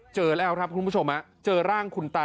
เจอแล้วครับคุณผู้ชมเจอร่างคุณตา